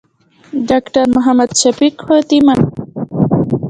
له ډاکټر محمد شفق خواتي مننه کوم.